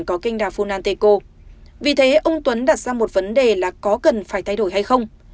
ông tuấn đã đặt ra một vấn đề là có cần phải thay đổi hay không